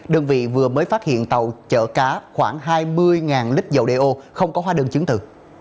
đơn vị vừa mới phát hiện tàu chở cá khoảng hai mươi lít dầu đeo không có hóa đơn chứng từ